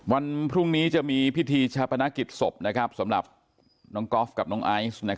วันพรุ่งนี้จะมีพิธีชาปนกิจศพสำหรับน้องก๊อฟกับน้องไอซ์